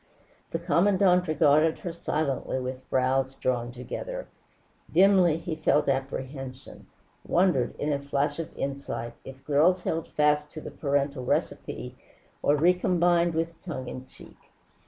The Commandante regarded her silently with brows drawn together. Dimly, he felt apprehension, wondered, in a flash of insight, if girls held fast to the parental recipe, or recombined with tongue in cheek.